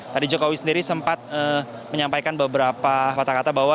tadi jokowi sendiri sempat menyampaikan beberapa kata kata bahwa